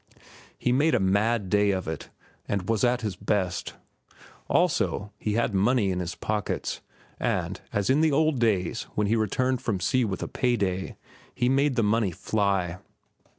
He made a mad day of it, and was at his best. Also, he had money in his pockets, and, as in the old days when he returned from sea with a pay day, he made the money fly.